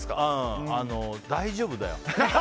大丈夫だよ。